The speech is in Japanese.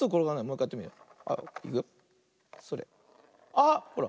あっほら。